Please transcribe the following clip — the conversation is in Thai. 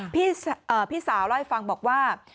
พี่สาวร่อยฟังบอกว่า